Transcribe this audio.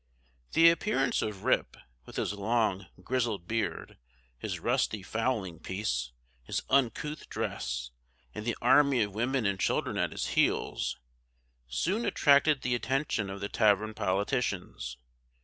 The appearance of Rip, with his long, grizzled beard, his rusty fowling piece, his uncouth dress, and the army of women and children at his heels, soon attracted the attention of the tavern politicians.